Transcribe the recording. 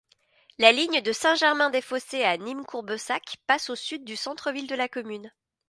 La ligne de Saint-Germain-des-Fossés à Nîmes-Courbessac passe au sud du centre-ville de la commune.